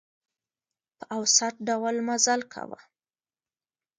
په اوسط ډول مزل کاوه.